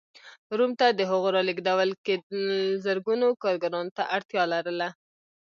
روم ته د هغو رالېږدول زرګونو کارګرانو ته اړتیا لرله.